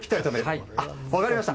分かりました。